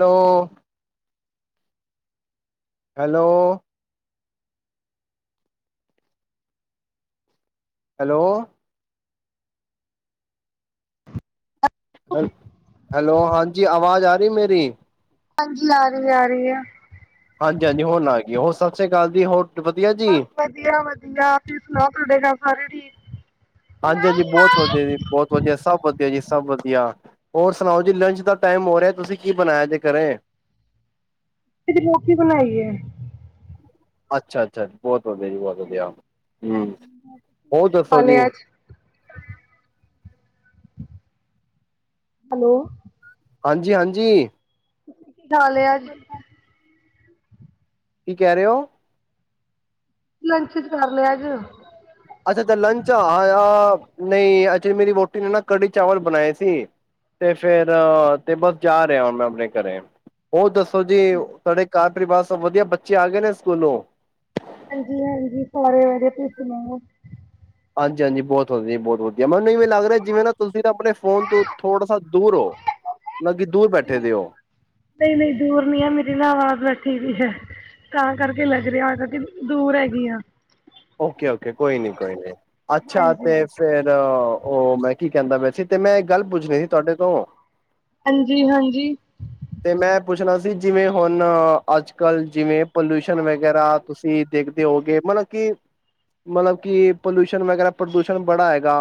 Hello hello hello ਹੈ hello ਹਾਂਜੀ ਆਵਾਜ਼ ਆ ਰਹੀ ਮੇਰੀ ਹਾਂਜੀ ਆ ਰਹੀ ਆ ਰਹੀ ਹੈ ਹਾਂਜੀ ਹਾਂਜੀ ਹੁਣ ਆ ਗਏ ਹੋ ਸਤਿ ਸ੍ਰੀ ਅਕਾਲ ਜੀ ਹੋਰ ਵਧੀਆ ਜੀ? ਬਸ ਵਧੀਆ ਵਧੀਆ ਤੁਸੀਂ ਸੁਣਾਓ ਤੁਹਾਡੇ ਘਰ ਸਾਰੇ ਠੀਕ ਹਾਂਜੀ ਹਾਂਜੀ ਬਹੁਤ ਵਧੀਆ ਜੀ ਬਹੁਤ ਵਧੀਆ ਸਭ ਵਧੀਆ ਜੀ ਸਭ ਵਧੀਆ ਹੋਰ ਸੁਣਾਓ ਜੀ ਲੰਚ ਦਾ ਟਾਈਮ ਹੋ ਰਿਹਾ ਤੁਸੀਂ ਕੀ ਬਣਾਇਆ ਜੇ ਘਰੇ ਤੇ ਰੋਟੀ ਬਣਾਈ ਹੈ ਅੱਛਾ ਅੱਛਾ ਬਹੁਤ ਵਧੀਆ ਜੀ ਬਹੁਤ ਵਧੀਆ ਹਮ ਹੋਰ ਦੱਸੋ ਹਾਲੇ ਜੀ ਅੱਜ ਹੈਲੋ ਹਾਂਜੀ ਹਾਂਜੀ ਤੁਸੀਂ ਕੀਠਾ ਲਿਆ ਜੀ ਕੀ ਕਹਿ ਰਹੇ ਹੋ ਲੰਚ ਚ ਕਰ ਲਿਆ ਅਜ ਅੱਛਾੱਛਾ ਲੰਚ ਨਹੀਂ ਅਚਲੀ ਮੇਰੀ ਵੋਟੀ ਨੇ ਨਾ ਕੜੀ ਚਾਵਲ ਬਣਾਏ ਸੀ ਤੇ ਫੇਰ ਤੇ ਬਸ ਜਾ ਰਿਹਾ ਹੁਣ ਮੈਂ ਆਪਣੇ ਘਰੇ ਉਹ ਦੱਸ ਤੋ ਜੀ ਤੁਹਾਡੇ ਘਰ ਪਰਿਵਾਰ ਸਭ ਵਧੀਆ ਬੱਚੇ ਆ ਗਏ ਨੇ ਸਕੂਲੋਂ ਹਾਂਜੀ ਹਾਂਜੀ ਸਾਰੇ ਵਧਆ ਤੁਸੀ ਸੁਣਾੋ ਹਾਂਜੀ ਹਾਂਜੀ ਬਹੁਤ ਵਧਆੀ ਬਹੁਤ ਵਧੀਆ ਜ ਮੈਨੂੰ ਇਵੇਂ ਲੱਗ ਰਿਹਾ ਜਿਵੇਂ ਨਾ ਤੁਸੀਂ ਨਾ ਆਪਣੇ ਫੋਨ ਤੋਂ ਥੋੜਾ ਸ ਦੂਰ ਹੋ ਮਤਲਬ ਕਿ ਦੂਰ ਬੈਠੇ ਦੇ ਹੋ ਨਹੀਂ ਨਹੀਂ ਦੂਰ ਨੀ ਆ ਮੇਰੀ ਨਾ ਆਵਾਜ਼ ਬੈਠੀ ਵੀਈ ਹੈ ਤਾਂ ਕਰਕੇ ਲੱਗ ਰਿਹਾ ਕਿ ਦੂਰ ਹੈਗੀ ਆ ਓਕੇ ਓਕੇ ਕੋਈ ਨੀ ਕੋਈ ਨੀ ਅੱਛਾ ਹਾਂਜੀ ਤੇ ਫੇਿਰ ਉਹ ਮੈਂ ਕੀ ਕਹਿੰਦਾ ਵੈਸ ਤੇ ਮੈਂ ਗੱਲ ਪੁੱਛਣੀ ਸੀ ਤੁਹਾਡੇ ਤੋਂ ਹਾਂਜੀ ਹਾਂਜੀ ਤੇ ਮੈਂ ਪੁੱਛਣਾ ਸੀ ਜਿਵੇਂ ਹੁਣ ਅੱਜ ਕੱਲ੍ਹ ਜਿਵੇਂ ਪੋਲਿਊਸ਼ਨ ਵਗੈਰਾ ਤੁਸੀਂ ਦੇਖਦੇ ਹੋਗੇ ਮਤਲਬ ਕਿ ਮਤਲਬ ਕਿ ਪੋਲਿਊਸ਼ਨ ਵਗੈਰਾ ਪ੍ਰਦੂਸ਼ਣ ਬੜਾ ਹੈਗਾ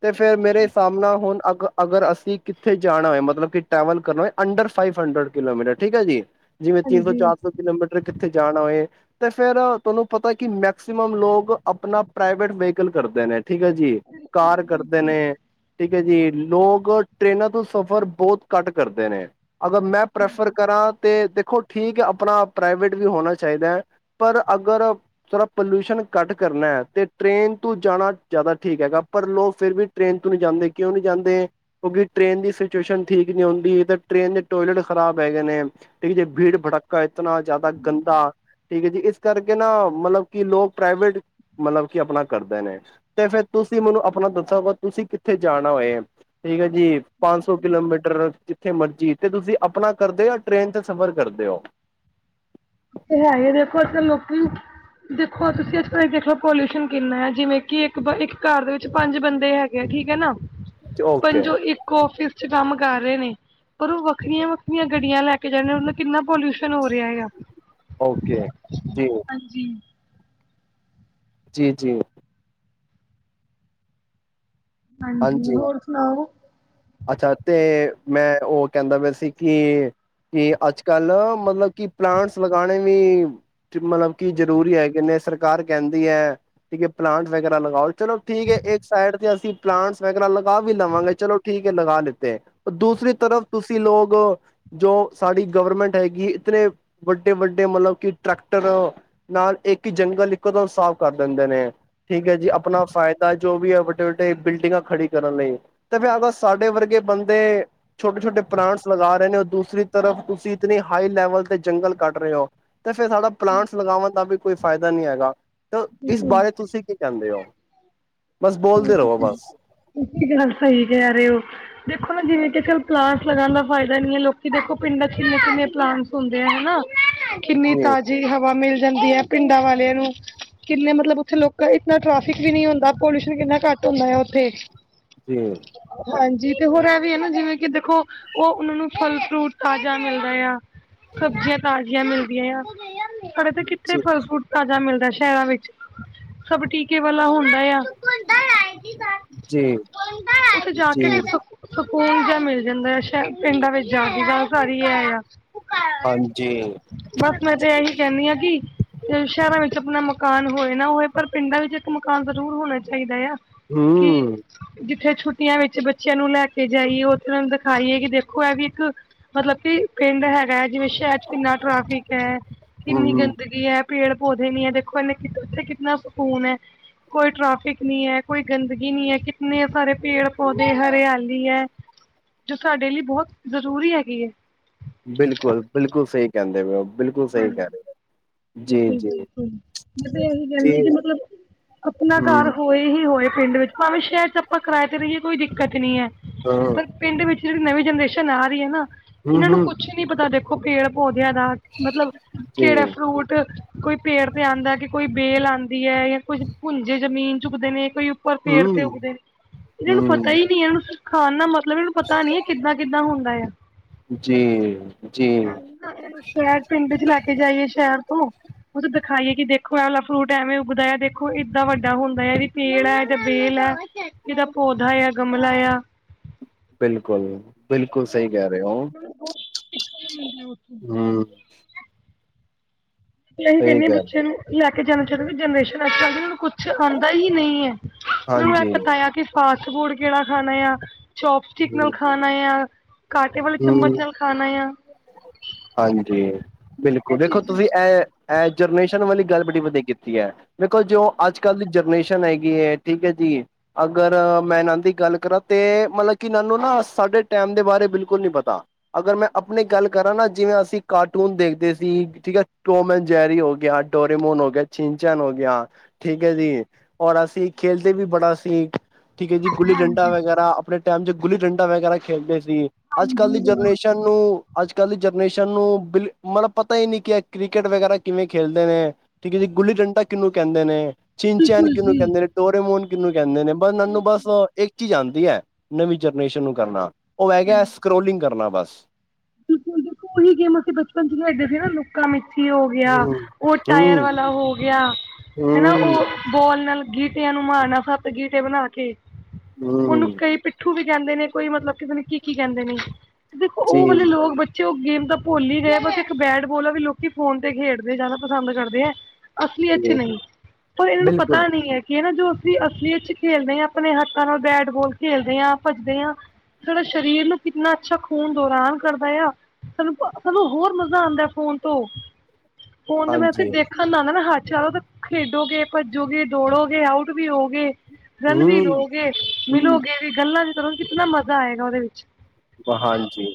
ਤੇ ਫੇਿਰ ਮੇਰੇ ਹਿਸਾਬ ਨਾਲ ਹੁਣ ਅ ਅਗਰ ਅਸੀਂ ਕਿੱਥੇ ਜਾਣਾ ਹੋਏ ਮਤਲਬ ਕਿ ਟਰੈਵਲ ਕਰਨਾ ਹੋਏ ਅੰਡਰ ਫਾਈਵ ਹੰਡਰਡ ਕਿਲੋਮੀਟਰ ਠੀਕ ਹੈ ਜੀ ਜਿਵੇਂ ਤਿੰਨ ਸੌ ਹਾਂਜੀ ਚਾਰ ਸੌ ਕਿਲੋਮੀਟਰ ਕਿੱਥੇ ਜਾਣਾ ਹੋਏ ਤੇ ਫੇਿਰ ਤੁਹਾਨੂੰ ਪਤਾ ਕਿ ਮੈਕਸੀਮਮ ਲੋਕ ਆਪਣਾ ਪ੍ਰਾਈਵੇਟ ਵਹੀਕਲ ਕਰਦੇ ਨੇ ਠੀਕ ਹੈ ਜੀ ਬਿਲਕੁਲ ਜੀ ਕਾਰ ਕਰਦੇ ਬਿਲਕੁਲ ਨੇ ਠੀਕ ਹੈ ਜੀ ਲੋਕ ਟ੍ਰਰੇਨਾਂ ਤੋਂ ਸਫ਼ਰ ਬਹੁਤ ਘੱਟ ਕਰਦੇ ਨੇ ਅਗਰ ਮੈਂ ਪ੍ਰੈਫਰ ਕਰਾਂ ਤਾਂ ਦੇਖੋ ਠੀਕ ਹੈ ਆਪਣਾ ਪ੍ਰਾਈਵੇਟ ਵੀ ਹੋਣਾ ਚਾਹੀਦਾ ਹੈ ਪਰ ਅਗਰ ਥੋੜਾ ਪੋਲਿਊਸ਼ਨ ਕੱਟ ਕਰਨਾ ਹੈ ਤੇ ਟ੍ਰਰੇਨ ਤੋਂ ਜਾਣਾ ਜ਼ਿਆਦਾ ਠੀਕ ਹੈਗਾ ਪਰ ਲੋਕ ਫਿਰ ਵੀ ਟ੍ਰੇਨ ਤੋਂ ਨਹੀਂ ਜਾਂਦੇ ਕਿਉਂ ਨਹੀਂ ਜਾਂਦੇ, ਕਿਉਂਕਿ ਟ੍ਰੇਨ ਦੀ ਸਿਚੁਏਸ਼ਨ ਠੀਕ ਨਹੀਂ ਹੁਨਦੀ ਤਾਂ ਟ੍ਰੇਨ ਦੇ ਟੋਇਲੇਟ ਖਰਾਬ ਹੈਗੇ ਨੇ ਠੀਕ ਜੇ ਭੀੜ ਭੜਕਾ ਇਤਨਾ ਜ਼ਿਆਦਾ ਗੰਦਾ ਠੀਕ ਹੈ ਜੀ, ਇਸ ਕਰਕੇ ਨਾ ਮਤਲਬ ਕਿ ਲੋਕ ਪ੍ਰਾਈਵੇਟ ਮਤਲਬ ਕਿ ਆਪਣਾ ਕਰਦੇ ਨੇ ਤੇ ਫਿਰ ਤੁਸੀਂ ਮੈਨੂੰ ਆਪਣਾ ਦੱਸੋਗਾ ਤੁਸੀਂ ਕਿੱਥੇ ਜਾਣਾ ਹੋਏ ਠੀਕ ਹੈ ਜੀ ਪੰਜ ਸੌ ਕਿਲੋਮੀਟਰ ਜਿੱਥੇ ਮਰਜੀ ਤੇ ਤੁਸੀਂ ਆਪਣਾ ਕਰਦੇ ਹੋ ਯਾ ਟ੍ਰੇਨ ਤੇ ਸਫ਼ਰ ਕਰਦੇ ਹੋ ਤੇ ਹੈ ਹੀ ਦੇਖੋ ਇੱਥੇ ਲੋਕੀ ਦੇਖੋ ਤੁਸੀਂ ਅੱਜ ਕਲ ਦੇਖ ਲਓ ਪੋਲਿਊਸ਼ਨ ਕਿੰਨਾ ਹੈ ਜਿਵੇਂ ਕਿ ਇੱਕ ਇੱਕ ਘਰ ਦੇ ਵਿੱਚ ਪੰਜ ਬੰਦੇ ਹੈਗੇ ਠੀਕ ਹੈ ਨਾ ਓਕੇ ਪੰਜੋ ਇੱਕ ਇਕ ਆਫ਼ਿਸ ਚ ਕੰਮ ਕਰ ਰਹੇ ਨੇ ਪਰ ਉਹ ਵੱਖਰੀਆਂ ਵੱਖਰੀਆਂ ਗੱਡੀਆਂ ਲੈ ਕੇ ਜਾਦੇ ਮਤਲਬ ਕਿੰਨਾ ਪੋਲਿਊਸ਼ਨ ਹੋ ਰਿਹਾ ਹੈ ਓਕੇ ਜੀ ਹਾਂਜੀ ਜੀ ਜੀ ਹਾਂਜੀ ਹੋਰ ਸੁਣਾਓ ਅੱਛਾ ਤੇ ਮੈਂ ਉਹ ਕਹਿੰਦਾ ਪਿਆ ਸੀ ਕਿ ਕਿ ਅੱਜ ਕੱਲ ਮਤਲਬ ਕਿ ਪਲਾਂਟਸ ਲਗਾਣੇ ਵੀ ਮਤਲਬ ਕੀ ਜਰੂਰੀ ਹੈਗੇ ਨੇ ਸਰਕਾਰ ਕਹਿੰਦੀ ਹੈ ਕਿ ਪਲਾਂਟ ਵਗੈਰਾ ਲਗਾਓ ਚਲੋ ਠੀਕ ਹੈ, ਇੱਕ ਸਾਈਡ ਤੇ ਅਸੀਂ ਪਲਾਂਟਸ ਵਗੈਰਾ ਲਗਾ ਵੀ ਲਵਾਂਗੇ ਚਲੋ ਠੀਕ ਹੈ ਲਗਾ ਲਿੱਤੇ ਹੈ, ਦੂਸਰੀ ਤਰਫ ਤੁਸੀਂ ਲੋਕ ਜੋ ਸਾਡੀ ਗਵਰਮੈਂਟ ਹੈਗੀ ਇਤਨੇ ਵੱਡੇ ਵੱਡੇ ਮਤਲਬ ਕਿ ਟਰੈਕਟਰ ਨਾਲ ਇੱਕ ਹੀ ਜੰਗਲ ਇੱਕੋਦਮ ਸਾਫ਼ ਕਰ ਦਿੰਦੇ ਨੇ ਠੀਕ ਹੈ ਜੀ ਆਪਣਾ ਫਾਇਦਾ ਜੋ ਵੀ ਹੈ ਵੱਡੇ ਵੱਡੇ ਬਿਲਡਿੰਗਾਂ ਖੜੀ ਕਰਨ ਲਈ ਐ, ਤਾਂ ਫਿਰ ਅਗ ਸਾਡੇ ਵਰਗੇ ਬੰਦੇ ਛੋਟੇ ਛੋਟੇ ਪਲਾਂਟਸ ਲਗਾ ਰਹੇ ਨੇ, ਦੂਸਰੀ ਤਰਫ ਤੁਸੀਂ ਇਤਨੀ ਹਾਈ ਲੈਵਲ ਤੇ ਜੰਗਲ ਕੱਟ ਰਹੇ ਹੋ ਤੇ ਫਿਰ ਸਾਡਾ ਪਲਾਂਟਸ ਲਗਾਵਉਣ ਦਾ ਵੀ ਕੋਈ ਫਾਇਦਾ ਨਹੀਂ ਹੈਗਾ ਤਾਂ ਇਸ ਬਿਲਕੁਲ ਬਾਰੇ ਤੁਸੀਂ ਕੀ ਕਹਿੰਦੇ ਹੋ ਬਸ ਬੋਲਦੇ ਰਹੋ ਬਸ ਤੁਸੀਹੀ ਗੱਲ ਸਹੀ ਕਹਿ ਰਹੇ ਹੋ ਦੇਖੋ ਨਾ ਜਿਵੇਂ ਕਿ ਚੱਲ ਪਲਾਂਟਸ ਲਗਾਣ ਦਾ ਫਾਇਦਾ ਨੀ ਹੈ ਲੋਕੀ ਦੇਖੋ ਪਿੰਡਾਂ ਕਿੰਨੇ ਕਿੰਨੇ ਪਲਾਂਟਸ ਹੁੰਦੇ ਹੈਨਾ ਕਿੰਨੀ ਜੀ, ਤਾਜ਼ੀ ਹਵਾ ਮਿਲ ਜਾਂਦੀ ਹੈ ਪਿੰਡਾਂ ਵਾਲਿਆਂ ਨੂੰ ਕਿੰਨੇ ਮਤਲਬ ਉੱਥੇ ਲੋਕ ਇਨਾ ਟੈਫਿਕ ਵੀ ਨੀ ਹੁੰਦਾ ਪੋਲਿਊਸ਼ਨ ਕਿੰਨਾ ਘੱਟ ਹੁੰਦਾ ਉੱਥੇ ਜੀ ਹਾਂਜੀ ਤੇ ਹੋਰ ਇਹ ਵੀ ਹੈ ਨਾ ਜਿਵੇਂ ਕਿ ਦੇਖੋ ਉਹ ਉਹਨਾਂ ਨੂੰ ਫਲ ਫਰੂਟ ਤਾਜ਼ਾ ਮਿਲਦਾ ਆ ਸਬਜ਼ੀਆਂ ਤਾਜ਼ੀਆਂ ਮਿਲਦੀਆਂ ਆ ਸਾਡੇ ਤਾਂ ਕਿੱਥੇ ਜੀ, ਫਲ ਫੂਟ ਤਾਜ਼ਾ ਮਿਲਦਾ ਸ਼ਹਿਰਾਂ ਵਿੱਚ, ਸਭ ਟੀਕੇ ਵਾਲਾ ਹੁੰਦਾ ਆ ਤਾ ਜੀ, ਨਹੀਂ ਜੀ, ਹੈ [inaudible] ਸਕੂਨ ਜਿਯਾ ਮਿਲ ਜਾਂਦਾ, ਸ਼ਾਇਦ ਪਿੰਡਾਂ ਵਿੱਚ ਜਾ ਕੇ ਜੇੜਾ ਘਾਰ ਈ ਹੈਗਾ ਹਾਂਜੀ ਬਸ ਮੈਂ ਤੇ ਇਹੀ ਕਹਿੰਦੀ ਹਾਂ ਕਿ ਸ਼ਹਿਰਾਂ ਵਿੱਚ ਆਪਣਾ ਮਕਾਨ ਹੋਏ ਨਾ ਹੋਏ ਪਰ ਪਿੰਡਾਂ ਵਿੱਚ ਇੱਕ ਮਕਾਨ ਜ਼ਰੂਰ ਹੋਣਾ ਚਾਹੀਦਾ ਆ ਹੂ ਕਿ ਜਿੱਥੇ ਛੁੱਟੀਆਂ ਵਿੱਚ ਬੱਚਿਆਂ ਨੂੰ ਲੈ ਕੇ ਜਾਈਏ ਉੱਥੇ ਉਹ ਨੂੰ ਦਿਖਾਈਏ ਕਿ ਦੇਖੋ ਇਹ ਵੀ ਇੱਕ ਮਤਲਬ ਕੀ ਪਿੰਡ ਹੈਗਾ ਹੈ ਜਿਵੇੰ ਸ਼ਹਿਰ ਕਿੰਨਾ ਟ੍ਰੈਫਿਕ ਹੈ ਕਿੰਨੀ ਹੂੰ। ਗੰਦਗੀ ਹੈ, ਪੇੜ ਪੌਦੇ ਨੀ ਹੈ ਓਹਨੇ ਉੱਥੇ ਕਿਤਨਾ ਸਕੂਨ ਹੈ ਕੋਈ ਟ੍ਰੈਫਿਕ ਨੀ ਹੈ ਕੋਈ ਗੰਦਗੀ ਨੀ ਹੈ ਕਿੰਨੇ ਸਾਰੇ ਪੇੜ ਪੌਦੇ ਹਰਿਆਲੀ ਹੈ ਜੋ ਸਾਡੇ ਲਈ ਬਹੁਤ ਜ਼ਰੂਰੀ ਹੈਗੀ ਹੈ ਬਿਲਕੁਲ ਬਿਲਕੁਲ ਸਹੀ ਕਹਿੰਦੇ ਪਏ ਹੋ ਬਿਲਕੁਲ ਸਹੀ ਕਹਿ ਰਹੇ ਹੋ। ਜੀ, ਬਿਲਕੁਲ ਜੀ, ਬਿਲਕੁਲ ਮੈਂ ਤੇ ਇਹੀ ਜੀ, ਕਹਿੰਦੀ ਕਿ ਮਤਲਬ ਆਪਣਾ ਘਰ ਹੂੰ, ਹੋਏ ਹੀ ਹੋਏ ਪਿੰਡ ਵਿੱਚ ਭਾਵੇਂ ਸ਼ਹਿਰ ਚ ਆਪਾਂ ਕਰਾਏ ਤੇ ਰਹੀਏ ਕੋਈ ਦਿੱਕਤ ਨੀ ਹੈ ਹਾਂ ਪਰ ਪਿੰਡ ਵਿੱਚ ਜਿਹੜੀ ਨਵੀਂ ਜਨਰੇਸ਼ਨ ਆ ਰਹੀ ਹੈ ਨਾ ਹੂੰ, ਇਹਨਾਂ ਨੂੰ ਹੂੰ, ਕੁਛ ਨੀ ਪਤਾ ਦੇਖੋ ਪੇੜ ਪੌਦਿਆਂ ਦਾ ਮਤਲਬ ਜੀ। ਕਿਹੜਾ ਫਰੂਟ ਕੋਈ ਪੇੜ ਤੇ ਆਉਂਦਾ ਕਿ ਕੋਈ ਬੇਲ ਆਉਂਦੀ ਹੈ ਜਾਂ ਕੋਈ ਭੁੰਜੇ ਜ਼ਮੀਨ ਚਝੁੱਕਦੇ ਨੇ ਕੋਈ ਪਰ ਪੈੜ ਹੂੰ, ਤੇ ਉੱਗਦੇ ਇਹਨਾਂ ਨੂੰ ਹੂੰ, ਪਤਾ ਹੀ ਨਹੀਂੀ ਇਹਨਾਂ ਨੂੰ ਖਾਣ ਦਾ ਮਤਲਬ ਇਹਨੂੰ ਪਤਾ ਨੀ ਕਿੱਦਾਂ ਕਿੱਦਾਂ ਹੁੰਦਾ ਹੈ ਜੀ ਜੀ ਸ਼ਹਿਦ ਪਿੰਡ ਚ ਲੈ ਕੇ ਜਾਈਏ ਸ਼ਹਿਰ ਤੋਂ ਉਥੇ ਦਿਖਾਈਏ ਕਿ ਦੇਖੋ ਐ ਵਾਲਲਾ ਫਰੂਟ ਐਵੇਂ ਉੱਗਦਾ ਹੈ ਦੇਖੋ ਏਦਾਂ ਵੱਡਾ ਹੁੰਦਾ ਹੈ ਇਹਦੀ ਪੇੜ ਹੈ ਬੇਲ ਆ ਇਹਦਾ ਪੌਦਾਾ ਆ ਗਮਲਾ ਆ [inaudible] ਬਿਲਕੁਲ ਬਿਲਕੁਲ ਸਹੀ ਕਹਿ ਰਹੇ ਹੋ ਤੇ ਹਮ ਵੀ ਅਸੀਂ ਸਹੀ ਕਿੰਦੇ ਹਾਂ ਗੱਲ ਬੱਚੇ ਨੂੰ ਲੈ ਕੇ ਜਾਣਾ ਚਾਹੁੰਦੇ ਵੀ ਜਨਰੇਸ਼ਨ ਅੱਜ ਚੱਲਦੀ ਉਹਨਾਂ ਨੂੰ ਕੁਛ ਕੁਛ ਆਉਂਦਾ ਹੀ ਨਹੀਂ ਹੈ ਉਹਨੂੰ ਇਹ ਹਾਂਜੀ। ਪਤਾ ਆ ਕਿ ਫਾਸਟ ਫੂਡ ਕਿਹੜਾ ਖਾਣਾ ਆ ਚੌਪਸਟਿਕ ਨਾਲ ਹੂੰ, ਖਾਣਾ ਆ ਕਾਟੇ ਵਾਲੇ ਹੂੰ। ਚਮਚ ਨਾਲ ਖਾਣਾ ਆ ਹਾਂਜੀ ਬਿਲਕੁਲ ਦੇਖੋ ਤੁਸੀਂ ਇਹ ਇਹ ਜਰਨਰੇਸ਼ਨ ਵਾਲੀ ਗੱਲ ਬੜੀ ਵਧੀਆ ਕੀਤੀ ਹੈ ਦੇਖੋ ਜੋ ਅੱਜ ਕੱਲ੍ਹ ਦੀ ਜਨਰੇਸ਼ਨ ਹੈਗੀ ਹੈ ਠੀਕ ਹੈ ਜੀ ਅਗਰ ਮੈਂ ਇਹਨਾ ਦੀ ਗੱਲ ਕਰਾਂ ਤੇ ਮਤਲਬ ਕਿ ਇਹਨਾ ਨੂੰ ਨਾ ਸਾਡੇ ਟੈਮ ਦੇ ਬਾਰੇ ਬਿਲਕੁਲ ਨਹੀਂ ਪਤਾ ਅਗਰ ਮੈਂ ਆਪਣੀ ਗੱਲ ਕਰਾਂ ਨਾ ਜਿਵੇਂ ਅਸੀਂ ਕਾਰਟੂਨ ਦੇਖਦੇ ਸੀ ਠੀਕ ਹੈ ਟੋਮ ਜੈਰੀ ਹੋ ਗਿਆ ਡੋਰੇਮੋਨ ਹੋ ਗਿਆ ਸ਼ੀਨ ਚੈਨ ਹੋ ਗਿਆ ਠੀਕ ਹੈ ਜੀ ਔਰ ਅਸੀਂ ਖੇਲਦੇ ਵੀ ਬੜਾ ਸੀ ਠੀਕ ਹੈ ਜੀ ਗੁੱਲੀ ਡੰਡਾ ਵਗੈਰਾ ਆਪਣੇ ਟਾਈਮ ਚ ਗੁੱਲੀ ਡੰਡਾ ਵਗੈਰਾ ਖੇਡਦੇ ਸੀ ਅੱਜ ਕੱਲ੍ਹ ਦੀ ਜਨਰੇਸ਼ਨ ਅੱਜ ਕੱਲ੍ਹ ਦੀ ਜਨਰੇਸ਼ਨ ਨੂੰ ਬਿਲ ਮਤਲਬ ਪਤਾ ਹੀ ਨਹੀਂੀ ਕੀ ਕ੍ਰਿਕਟ ਵਗੈਰਾ ਕਿਵੇਂ ਖੇਲਦੇ ਨੇ ਠੀਕ ਹੈ ਜੀ ਗੁੱਲੀ ਡੰਡਾ ਕਿਹਨੂੰ ਕਹਿੰਦੇ ਨੇ ਚਿਨਚੈਨ ਬਿਲਕੁਲ ਕਿਹਨੂੰ ਜੀ ਕਹਿੰਦੇ ਨੇ ਡੋਰੇਮੋਨ ਕਿਹਨੂੰ ਕਹਿੰਦੇ ਨੇ ਬ ਨਾਨੂੰ ਬਸ ਇੱਕ ਚੀਜ਼ ਆਉਂਦੀ ਹੈ ਨਵੀਂ ਜਨਰੇਸ਼ਨ ਨੂੰ ਕਰਨਾ ਹੋਵੇਗਾ ਸਕਰੋਲਿੰਗ ਕਰਨਾ ਬਸ ਬਿਲਕੁਲ ਦੇਖੋ ਉਹੀ ਗੇਮ ਅਸੀਂ ਬਚਪਨ ਚ ਲੇਡਦੇ ਸੀ ਨਾ ਲੂਕਾ ਮਿੱਚੀ ਹੋ ਗਿਆ ਹੂੰ ਉਹ ਟਾਇਰ ਹੂੰ ਵਾਲਾ ਹੋ ਗਿਆ ਹਨਾ ਹੂੰ ਉਹ ਬੋਲ ਨਾਲ ਗੀਟਿਆਂ ਨੂੰ ਮਾਰਨਾ ਸੱਤ ਗੀਟੇ ਬਣਾ ਕੇ ਉਹਨੂੰ ਹੂੰ ਕਈ ਪਿੱਠੂ ਵੀ ਕਹਿੰਦੇ ਨੇ ਕੋਈ ਮਤਲਬ ਕਿਤੇ ਨੇ ਕੀ ਕੀ ਕਹਿੰਦੇ ਨੇ ਦੇਖੋ ਜੀ ਉਹ ਵਾਲੇ ਲੋਕ ਬੱਚੇ ਉਹ ਗੇਮ ਤਾਂ ਭੁੱਲ ਹੀ ਰਹੇ ਬਸ ਇੱਕ ਬੈਟ ਬਾਲ ਆ ਵੀ ਲੋਕੀ ਫੋਨ ਤੇ ਖੇਡਦੇ ਜ਼ਿਆਦਾ ਪਸੰਦ ਕਰਦੇ ਹੈ ਅਸਲੀ ਏਥੇ ਜੀ ਨਹੀਂ ਪਰ ਇਹਨਾਂ ਨੂੰ ਬਿਲਕੁਲ ਪਤਾ ਨਹੀਂ ਹੈ ਇਹ ਨਾ ਜੋ ਅਸੀਂ ਅਸਲੀ ਚ ਖੇਲਦੇ ਹਾਂ ਆਪਣੇ ਹੱਕਾਂ ਨਾਲ ਬੈਟ ਬਾਲ ਖੇਲਦੇ ਹਾਂ ਭੱਜਦੇ ਹਾਂ ਡਾ ਸਰੀਰ ਨੂੰ ਕਿੰਨਾ ਅੱਛਾ ਖੂਨ ਦੌਰਾਨ ਕਰਦਾ ਆ ਸਾਨੂੰ ਸਾਨੂੰ ਹੋਰ ਮਜ਼ਾ ਆਉਂਦਾ ਫੋਨ ਤੋਂ ਫੋਨ ਤੇ ਮੈਂ ਉਥੇ ਹਾਂਜੀ ਦੇਖ ਨਾਦਾ ਨਾ ਹੱਥ ਚਲੋ ਤੇ ਖੇਡੋਗੇ ਭੱਜੋਗੇ ਦੌੜੋਗੇ ਆਊਟ ਵੀ ਹੋਗੇ ਰਨ ਹੂੰ ਵੀ ਲੌਗੇ ਹੂੰ ਮਿਲੋਗੇ ਵੀ ਗੱਲਾਂ ਵੀ ਕਰੋ ਕਿਤਨਾ ਮਜ਼ਾ ਆਏਗਾ ਉਹਦੇ ਵਿੱਚ ਹਾਂਜੀ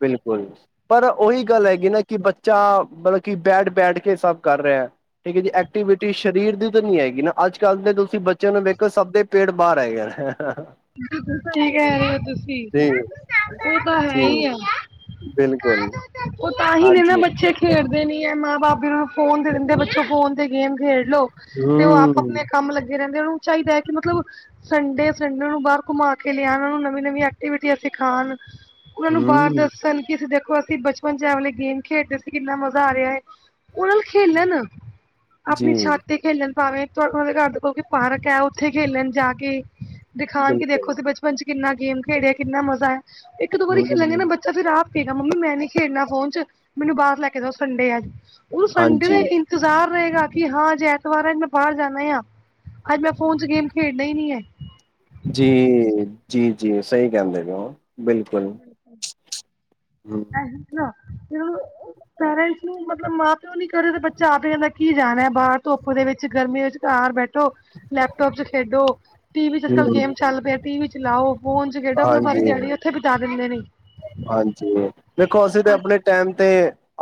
ਬਿਲਕੁਲ ਪਰ, ਉਹੀ ਗੱਲ ਹੈਗੀ ਨਾ ਕਿ ਬੱਚਾ ਮਤਲਬ ਕਿ ਬੈਠ-ਬੈਠ ਕੇ ਸਭ ਕਰ ਰਿਹਾ। ਠੀਕ ਹੈ ਜੀ ਐਕਟੀਵਿਟੀ ਸਰੀਰ ਦੀ ਤਾਂ ਨੀ ਹੈਗੀ ਨਾ ਅੱਜ ਕੱਲ੍ਹ ਦੇ ਤੁਸੀਂ ਬੱਚਿਆਂ ਨੂੰ ਵੇਖੋ ਸਭ ਦੇ ਪੇਟ ਬਾਹਰ ਆ ਗਿਆ। ਕੀ ਕਹਿ ਰਹੇ ਹੋ ਤੁਸੀਂ? ਜੀ ਉਹ ਤਾਂ ਹੈ ਜੀ ਹੀ ਆ। ਬਿਲਕੁਲ। ਉਹ ਤਾਂ ਹੀ ਨੇ ਨਾ ਹਾਂਜੀ ਬੱਚੇ। ਖੇਡਦੇ ਨੀ ਹੈ ਮਾਂ ਬਾਪ ਵੀ ਫੋਨ ਤੇ ਦਿੰਦੇ ਬੱਚੋ ਫੋਨ ਤੇ ਗੇਮ ਖੇਡਲੋ ਤੇ ਉਹ ਆਪ ਹਮ ਆਪਣੇ ਕੰਮ ਲੱਗੇ ਰਹਿੰਦੇ ਉਹਨ ਨੂੰ ਚਾਹੀਦਾ ਹੈ ਕਿ ਮਤਲਬ ਸੰਡੇ-ਸੰਡੇ। ਉਹਨਾਂ ਨੂੰ ਬਾਹਰ ਘੁੰਮਾ ਕੇ ਲਿਆਉਣਾ ਉਹ ਨੂੰ ਨਵੀਂ-ਨਵੀਂ ਐਕਟੀਵਿਟੀਆਂ ਸਿਖਾਉਣ। ਉਨਾਂ ਨੂੰ ਬਾਹਰ ਹਮ ਦੱਸਣ ਕਿ ਦੇਖੋ ਅਸੀਂ ਬ ਬੱਚਿਆਂ ਵਾਲੇ ਗੇਮ ਖੇਡਦੇ ਸੀ ਕਿੰਨਾ ਮਜ਼ਾ ਆ ਰਿਹਾ ਹੈ ਉਹਨਾਂ ਖੇਲਣ ਜੀ ਆਪਣੀ ਛਾਤ ਤੇ ਖੇਲਣ ਭਾਵੇਂ ਉਹ ਦੇ ਘਰ ਦੇਖੋ ਕਿ ਪਾਰਕ ਹੈ ਉੱਥੇ ਖੇਲਣ ਜਾ ਕੇ ਦਿਖਾਣ ਕੇ ਬਿਲਕੁਲ ਦੇਖੋ ਤੁਸੀਂ ਬ ਬਚਪਨ ਕਿੰਨਾ ਗੇਮ ਖੇਡਿਆ ਕਿੰਨਾ ਮਜ਼ਾ ਹੈ ਇੱਕ-ਦੋ ਵਾਰੀ ਖੇਲਾਂਗੇ ਹਮ ਨਾ ਬੱਚੇ ਅੱਛਾ ਫਿਰ ਆਪ ਖੇਡਣਾ ਮੰਮੀ ਮੈਂ ਨੀ ਖੇਡਣਾ ਫੋਨ ਚ ਮੈਨੂੰ ਬਾਹਰ ਲੈ ਕੇ ਜਾਓ ਸੰਡੇ ਹੈ ਆਜ ਉਹ ਸੰਡੇ ਦਾ ਹਾਂਜੀ ਇੰਤਜ਼ਾਰ ਰਹੇਗਾ ਕਿ ਹਾਂ ਅਜੇ ਐਂਤਵਾਰ ਅਜ ਮੈਂ ਬਾਹਰ ਜਾਣਾ ਆ। ਅੱਜ ਮੈਂ ਫੋਨ ਚ ਗੇਮ ਖੇਡਣਾ ਹੀ ਨੀ ਹੈ। ਜੀ, ਜੀ- ਜੀ ਸਹੀ ਕਹਿੰਦੇ ਪੇ ਹੋ ਬਿਲਕੁਲ। ਹੂੰ। [inaudible] ਪੇਰੈਂਟਸ ਨੂੰ ਮਤਲਬ ਮਾਂ-ਪਿਓ ਨੀ ਕਰੇ ਬੱਚਾ ਆ ਕੇ ਜਾਂਦਾ ਕੀ ਜਾਣਾ ਬਾਹਰ ਧੁੱਪ ਦੇ ਵਿੱਚ ਗਰਮੀ ਵਿੱਚ ਘਰ ਬੈਠ ਲੈਪਟੋਪ ਚ ਖੇਡੋ, ਟੀ ਵੀ ਚ ਅੱਜ-ਕੱਲ੍ਹ ਹਮ ਗੇਮ ਚੱਲ ਪਿਆ ਟੀ ਵੀ ਚਲਾਓ। ਫੋਨ ਚ ਖੇਡੋ ਆਪਣਾ ਸਾਰੀ ਹਾਂਜੀ ਦਯਾੜੀ ਏਥੇ ਬਿਤਾ ਦਿੰਦੇ ਨੇ। ਹਾਂਜੀ ਦੇਖੋ ਅਸੀਂ ਤੇ ਆਪਣੇ ਟੈਮ ਤੇ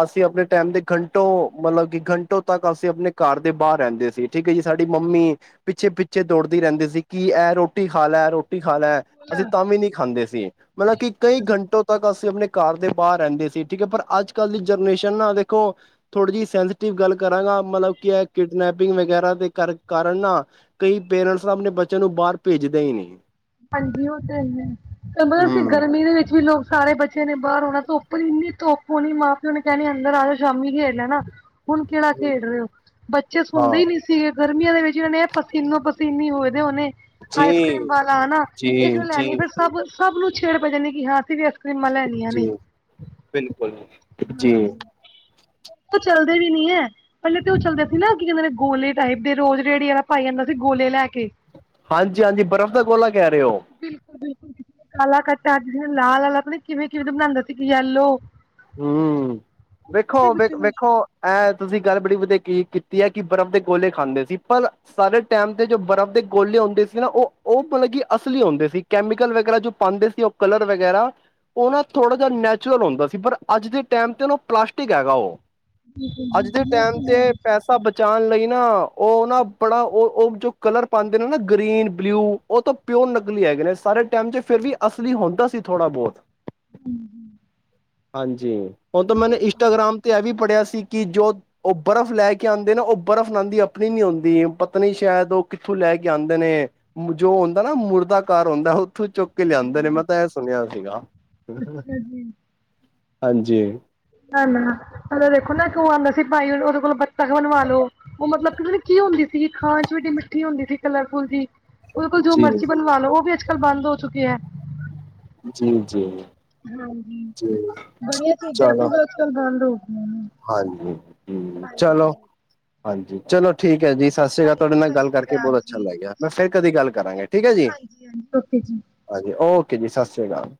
ਅਸੀਂ ਆਪਣੇ ਟੈਮ ਦੇ ਘੰਟੋ ਮਤਲਬ ਕਿ ਘੰਟੋ ਤੱਕ ਅਸੀਂ ਆਪਣੇ ਘਰ ਦੇ ਬਾਹਰ ਰਹਿੰਦੇ ਸੀ। ਠੀਕ ਹੈ ਜੀ ਸਾਡੀ ਮੰਮੀ ਪਿੱਛੇ-ਪਿੱਛੇ ਦੌੜਦੀ ਰਹਿੰਦੀ ਸੀ ਕਿ ਇਹ ਰੋਟੀ ਖਾ ਲੈ ਰੋ ਰਟੀ ਖਾ ਲੈ ਅਸੀਂ ਨੇ ਤਾਂ ਵੀ ਨਹੀਂ ਖਾਂਦੇ ਸੀ ਮਤਲਬ ਕਿ ਕਈ ਘੰ ਟ ਅਸੀਂ ਆਪਣੇ ਘਰ ਦੇ ਬਾਹਰ ਰਹਿੰਦੇ ਸੀ ਠੀਕ ਹੈ ਪਰ ਅੱਜ- ਕੱਲ੍ਹ ਦੀ ਜਨਰੇਸ਼ਨ ਨਾ ਦੇਖੋ ਥੋੜ੍ਹੀ ਜਿਹੀ ਸੈਂਸੀਟਿਵ ਗੱਲ ਕਰਾਂਗਾ ਮਤਲਬ ਕੀ ਇਹ ਕਿਡਨੈਪਿੰਗ ਵਗੈਰਾ ਦੇ ਕਰ ਕਾਰਨ ਨਾ ਕਈ ਪੇਰੈਂਟਸ ਤਾਂ ਆਪਣੇ ਬੱਚਿਆਂ ਨੂੰ ਬਾਹਰ ਭੇਜਦੇ ਹੀ ਨਹੀਂ। ਹਾਂਜੀ ਔਹ ਤੇ ਹੈ ਤੇ ਮਤਲਬ ਹੂੰ ਗਰਮੀ ਦੇ ਵਿੱਚ ਵੀ ਲੋਕ ਸਾਰੇ ਬੱਚ ਬੱਚੇ ਨੇ ਬਾਹਰ ਆਣਾ ਧੁੱਪਰ ਇੰਨੀ ਧੁੱਪ ਹੋਣੀ ਮਾਂ ਪਿਓ ਨੇ ਕਹਿਣੀ ਅੰਦਰ ਆ ਜਾਓ ਸ਼ਾਮੀ ਖੇਡ ਲੈਣਾ ਹੁਣ ਕਿਹੜਾ ਖੇਡ ਰਹੇ ਹੋ ਬੱਚੇ ਸੁਣਦੇ ਹਾਂ ਹੀ ਨਹੀਂ ਸੀਗੇ ਗਰਮੀਆਂ ਦੇ ਵਿੱਚ ਅਨੇ ਪਸੀਨੋ -ਪਸੀਨੀ ਹੋਏ ਦੇ ਹੋਨੇ ਆਈਸਕ੍ਰੀਮ ਜੀ ਬ ਹਾ ਨਾ ਜੀ ਇੱਕ ਜੀ ਲੈਣੀ ਫਿਰ ਸਭ, ਸਭ ਨੂੰ ਛੇੜ ਪੈ ਜਾਂਦੇ ਕਿ ਹਾਂ ਅਸੀਂ ਵੀ ਆਈਸ ਕਰ੍ਰੀਮਾਂ ਲੈਣੀਆਂ ਜੀ ਨੇ। ਬਿਲਕੁਲ ਜੀ। ਔਹ ਚੱਲਦੇ ਵੀ ਨੀ ਹੈ। ਪਹਿਲੇ ਤੇ ਔਹ ਚੱਲਦਾ ਸੀ ਨਾ ਕੀ ਕਹਿੰਦੇ ਨੇ ਗੋਲੇ ਟਾਈਪ ਦੇ ਰੋਜ਼ ਰੇੜੀ ਵਾਲਾ ਪਾਈ ਆੰਦਾ ਸੀ ਗੋਲੇ ਲੈ ਕੇ ਹਾਂਜੀ-ਹਾਂਜੀ ਬਰਫ਼ ਦਾ ਗੋਲਾ ਕਹਿ ਰਹੇ ਹੋ? ਬਿਲਕੁਲ ਬਿਲਕੁਲ ਜ ਕਾਲਾ ਕਟਾ, ਲਾਲ ਆਤਾ ਪਤਾ ਨੀ ਕਿਵੇਂ-ਕਿਵੇਂ ਬਣਾੰਦਾ ਸੀ ਯੈਲੋ ਹੂੰ ਵੇਖੋ- ਵੇਖ, ਵੇਖੋ ਇਹਂ ਤੁਸੀਂ ਗੱਲ ਬੜੀ ਵਧਿਯਾ ਕੀ ਕੀਤੀ ਹੈ, ਕਿ ਬਰਫ਼ ਦੇ ਗੋਲੇ ਖਾਂਦੇ ਸੀ ਪਰ ਸਾਰੇ ਟੈਮ ਤੇ ਜੋ ਬਰਫ਼ ਦੇ ਗੋਲੇ ਹੁੰਦੇ ਸੀ ਨਾ ਔਹ, ਔਹ ਮਤਲਬ ਕਿ ਅਸਲੀ ਹੁੰਦੇ ਸੀ। ਕੈਮੀਕਲ ਵਗੈਰਾ ਜੋ ਪਾੰਦੇ ਸੀ ਉਹ ਕਲਰ ਵਗੈਰਾ ਔਹ ਨਾ ਥੋੜ੍ਹਾ ਜਿਯਾ ਨੈਚੁਰਲ ਹੁੰਦਾ ਸੀ ਪਰ ਅੱਜ ਦੇ ਟੈਮ ਤੇ ਉਹਨੂੰ ਪਲਾਸਟਿਕ ਹੈਗਾ ਓ ਅੱਜ ਦੇ ਟੈਮ ਤੇ ਪੈ ਸਾ ਬਚਾਣ ਲਈ ਨਾ ਓ ਨਾ ਬੜਾ ਓ ਔਰ ਜੋ ਕਲਰ ਪਾਂਦੇ ਨੇ ਨਾ ਗ੍ਰੀਨ ਬਲਿਊ ਓ ਤਾ ਪਿਯੋਰ ਨਕਲੀ ਹੈਗੇ ਨੇ ਸਾਰੇ ਟੈਮ 'ਚ ਫਿਰ ਵੀ ਅਸਲੀ ਹੁੰਦਾ ਸੀ ਥੋੜ੍ਹਾ ਬੋਤ ਹੂੰ ਹਾਂਜੀ ਹੁਣ ਤਾਂ ਮੈਨੇ ਇੰਸਟਾਗ੍ਰਾਮ ਤੇ ਇਹ ਵੀ ਪੜ੍ਹਿਆ ਸੀ ਕਿ ਜੋ ਓ ਬਰਫ਼ ਲੈ ਕੇ ਆਂਦੇ ਨੇ ਓ ਬਰਫ਼ ਉਨਾ ਦੀ ਆਪਣੀ ਨੀ ਹੁੰਦੀ ਪਤਾ ਨੀ ਸ਼ਾਇਦ ਓ ਕਿੱਥੋਂ ਲੈ ਕੇ ਆਂਦੇ ਨੇ ਜੋ ਹੁੰਦਾ ਨਾ ਮੁਰਦਾ ਘਾਰ ਹੁੰਦਾ ਉੱਥੋਂ ਚੁੱਕ ਕੇ ਲਿਆਂਦੇ ਨੇ ਮੈਂ ਤਾਂ ਇਹ ਸੁਣਿਆ ਸੀਗਾ। ਅੱਛਾ ਜੀ। ਹਾਂਜੀ। ਹੈਨਾ ਨਾ ਪੈਲਾ ਵੇਖੋ ਨਾ ਇਕ ਓ ਆਂਦਾ ਸੀ ਬਾਈ ਉਦੇ ਕੋਲੋਂ ਬੱਖਤ ਬਣਵਾਲੋ। ਓ ਮਤਲਬ ਪਤਾ ਨੀ ਕੀ ਹੁੰਦੀ ਸੀਗੀ ਖਾਣ ਨੂ ਇੰਨੀ ਮਿੱਠੀ ਹੁੰਦੀ ਸੀ ਕਲਰ ਫੁਲ ਜੀ ਓ ਦੇ ਕੋਲ ਜੋ ਜੀ ਮਰਜ਼ੀ ਬਣਵਾ ਲੋ ਓ ਵੀ ਅੱਜ ਕੱਲ ਬੰਦ ਹੋ ਚੁੱਕਿਆ। ਜੀ ਜੀ ਹਾਂਜੀ ਜੀ ਬੜੀਆ ਚੀਜ਼ਾਂ ਚਲੋ ਸ ਅੱਜ ਕਲ ਬੰਦ ਹੋਗੀਆ ਨੇ। ਹਾਂਜੀ ਚਲੋ ਹਾਂਜੀ ਚਲੋ ਠੀਕ ਹੈ ਜੀ। ਸਤਿ ਸ੍ਰੀ ਅਕਾਲ ਤੁਹਾਡੇ ਨਾਲ ਗੱਲ ਕਰਕੇ ਬਹੁਤ ਅੱਛਾ ਲੱਗ ਗਿਆ ਮੈਂ ਫੇਰ ਕਦੀ ਗੱਲ ਕਰਾਂਗੇ ਠੀਕ ਹੈ ਜੀ। ਰੋਟੀ ਚ ਹਾਂਜੀ ਓਕੇ ਜੀ ਸਤਿ ਸ਼੍ਰੀ ਅਕਾਲ।